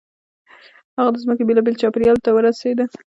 هغه د ځمکې بېلابېلو چاپېریالونو ته ورسېد.